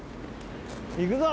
行くぞ！